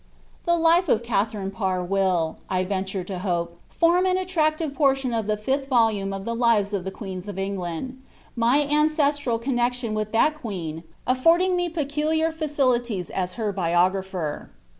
The life of Katharine Parr will, I venture to hope, form an attractive portion of the fifth volume of the Lives of the Queens of England ;^ my ancestral connexion with that queen affording me peculiar facilities as her biographer.